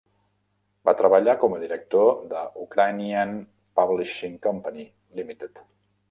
Va treballar com a director de Ukrainian Publishing Company, Limited.